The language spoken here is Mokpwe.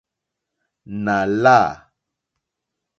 Nà lâ.